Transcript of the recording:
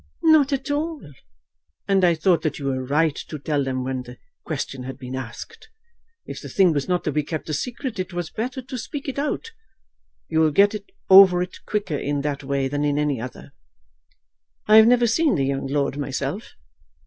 "Not at all. And I thought that you were right to tell them when the question had been asked. If the thing was not to be kept a secret, it was better to speak it out. You will get over it quicker in that way than in any other. I have never seen the young lord, myself."